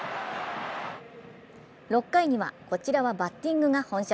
６回にはこちらはバッティングが本職。